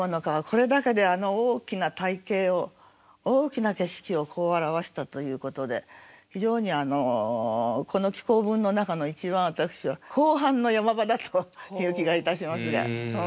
これだけで大きな大景を大きな景色をこう表したということで非常にこの紀行文の中の一番私は後半の山場だという気がいたしますが。